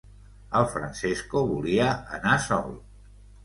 El Francesco volia anar sol.